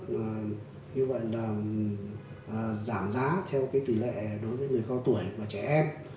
như vậy là giảm giá theo tỷ lệ đối với người cao tuổi và trẻ em